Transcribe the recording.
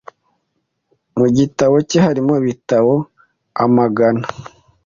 Mu gitabo cye harimo ibitabo amagana .